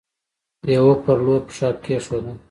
يوه پر لور پښه کيښوده.